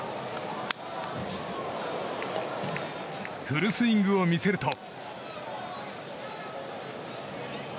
フルスイングを見せると。